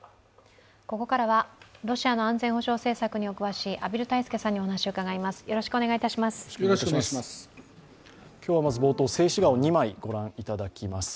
ここからはロシアの安全保障政策にお詳しい畔蒜泰助さんにお話を伺います。